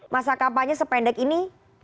masa kampanye sependek ini